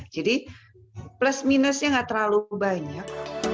jadi plus minusnya nggak terlalu banyak